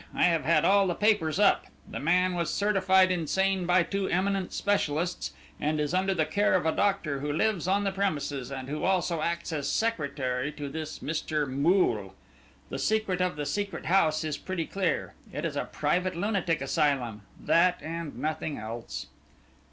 I have had all the papers up. The man was certified insane by two eminent specialists, and is under the care of a doctor who lives on the premises, and who also acts as secretary to this Mr. Moole. The secret of the Secret House is pretty clear; it is a private lunatic asylum, that, and nothing else."